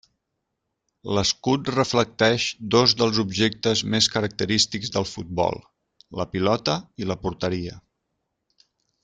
L'escut reflecteix dos dels objectes més característics del futbol, la pilota i la porteria.